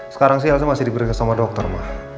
sekarang sih elsa masih diberikan sama dokter mah